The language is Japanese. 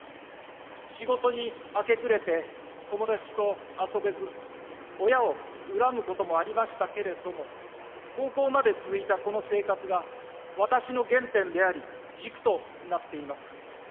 仕事に明け暮れて、友達と遊べず、親を恨むこともありましたけれども、高校まで続いたこの生活が、私の原点であり、軸となっています。